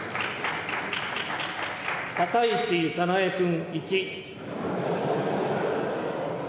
高市早苗君１。